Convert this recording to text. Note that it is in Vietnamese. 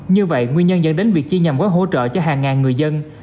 như vậy nguyên nhân dẫn đến việc chia nhầm gói hỗ trợ cho hàng ngàn người dân